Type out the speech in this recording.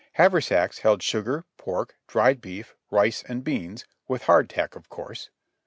Haversacks held sugar, pork, dried beef, rice and beans, with hard tack of course.